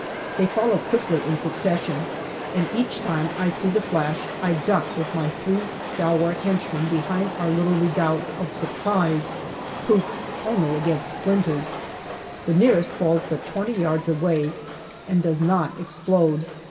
They follow quickly in succession, and each time I see the flash, I duck with my three stalwart henchmen behind our little redoubt of supplies, proof only against splinters. The nearest falls but twenty yards away, and does not explode.